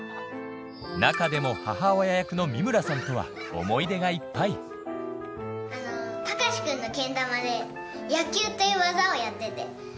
中でも母親役の美村さんとは思い出がいっぱい高志君のけん玉で「野球」っていう技をやってて。